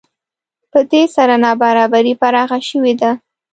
په دې سره نابرابري پراخه شوې ده